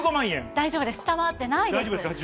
大丈夫です、下回ってないです。